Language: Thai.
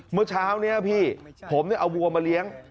เมื่อเช้านี้พี่ผมเอาวัวมาเลี้ยง